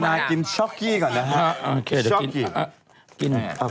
นี่ไงมีเฟสบุ๊ครายการ